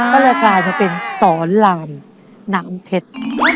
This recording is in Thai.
ก็เลยกลายมาเป็นสอนลามน้ำเพชร